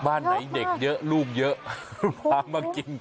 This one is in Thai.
บ้านไหนเด็กเยอะลูกเยอะพามากิน